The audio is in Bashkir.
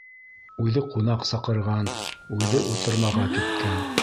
Үҙе ҡунаҡ саҡырған, үҙе утырмаға киткән.